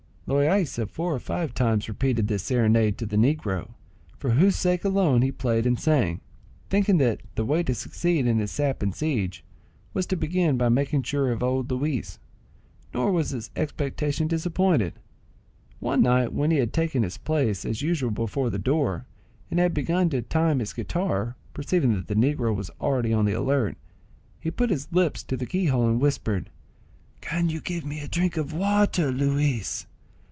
Loaysa four or five times repeated this serenade to the negro, for whose sake alone he played and sang, thinking that the way to succeed in his sap and siege was to begin by making sure of old Luis; nor was his expectation disappointed. One night when he had taken his place as usual before the door, and had begun to time his guitar, perceiving that the negro was already on the alert, he put his lips to the key hole and whispered, "Can you give me a drop of water, Luis?